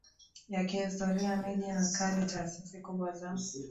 ya kihistoria Miji mkali taasisi kubwa za